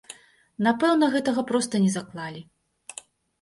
Напэўна, гэтага проста не заклалі.